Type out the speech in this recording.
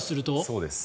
そうです。